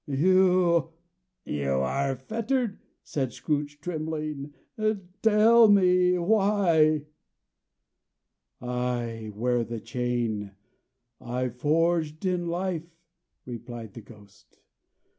"You are fettered," said Scrooge, trembling. "Tell me why?" "I wear the chain I forged in life," replied the Ghost.